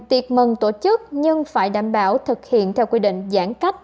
đồng tổ chức nhưng phải đảm bảo thực hiện theo quy định giãn cách